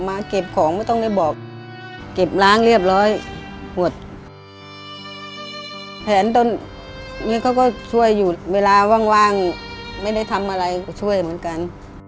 แผนตอนนี้เขาก็ช่วยอยู่เวลาว่างไม่ได้ทำอะไรก็ช่วยเหมือนกัน